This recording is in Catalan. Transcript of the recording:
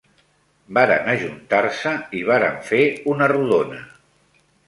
Varen ajuntar-se i varen fer una rodona